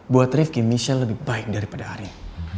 buat rifki michelle lebih baik daripada ari